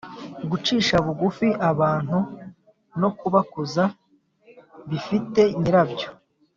gucisha bugufi abantu no kubakuza bifite Nyirabyo